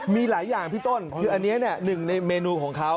มีหลายอย่างพี่ต้นคืออันนี้หนึ่งในเมนูของเขา